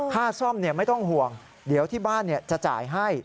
ค่าซ่อมไม่ต้องห่วงเดี๋ยวที่บ้านจะจ่ายให้